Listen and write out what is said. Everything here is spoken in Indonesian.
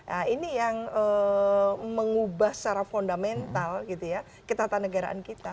nah ini yang mengubah secara fundamental gitu ya ketatanegaraan kita